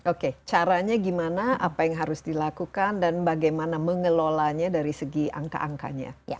oke caranya gimana apa yang harus dilakukan dan bagaimana mengelolanya dari segi angka angkanya